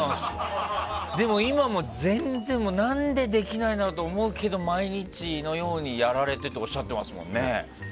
でも今も全然何でできないんだろうと思うけど毎日のようにやられているとおっしゃっていますもんね。